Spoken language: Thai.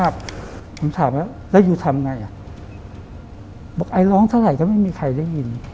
ผมถามว่าแล้วยูทำไงอ่ะบอกไอร้องเท่าไหร่ก็ไม่มีใครได้ยิน